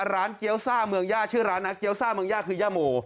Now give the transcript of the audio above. เกี้ยวซ่าเมืองย่าชื่อร้านนะเกี้ยซ่าเมืองย่าคือย่าโม